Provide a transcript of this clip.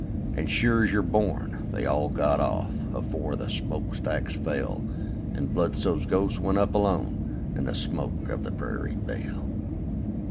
And, sure's you're born, they all got off Afore the smokestacks fell, â And Bludso's ghost went up alone In the smoke of the Prairie Belle.